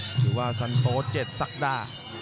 ชื่อว่าสันโตเจ็ดสักด้า